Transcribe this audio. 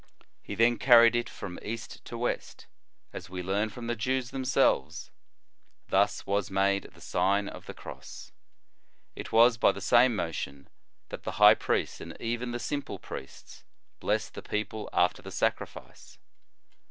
He then carried it from east to west, as we learn from the Jews themselves ; thus was made the Sign of the Cross. It was by the same motion that the high priest, and even the simple priests, blessed the people after the sacrifice.